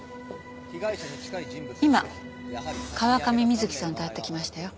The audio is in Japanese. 今川上美月さんと会ってきましたよ。